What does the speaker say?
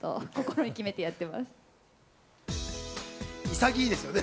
潔いですよね。